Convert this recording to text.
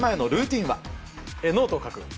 ノートを書く。